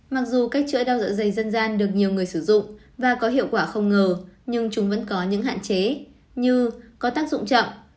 mặc dù các chuỗi đau dạ dày dân gian được nhiều người sử dụng và có hiệu quả không ngờ nhưng chúng vẫn có những hạn chế như có tác dụng chậm